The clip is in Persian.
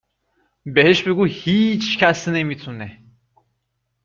بهش بگو هیچکس نمی تونه